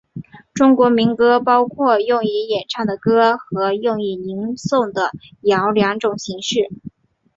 中国民歌包括用以演唱的歌和用于吟诵的谣两种形式。